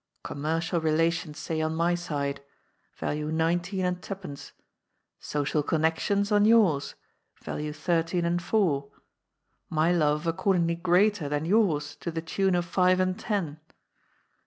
Commercial relations, say, on my side. Value nine teen and twopence. Social connections on yours. Value thirteen and four. My love accordingly greater than yours to the tune of five and ten.